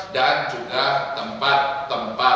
dan juga tempat tempat